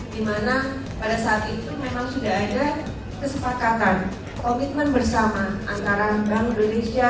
di mana pada saat itu memang sudah ada kesepakatan komitmen bersama antara bank indonesia